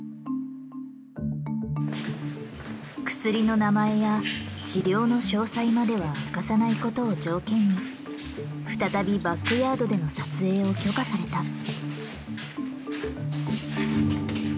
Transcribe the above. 薬の名前や治療の詳細までは明かさないことを条件に再びバックヤードでの撮影を許可された。